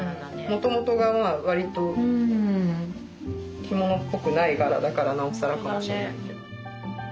もともとがわりと着物っぽくない柄だからなおさらかもしれないけど。